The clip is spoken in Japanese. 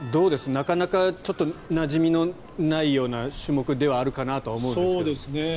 なかなかなじみのないような種目ではあるかなと思うんですけど。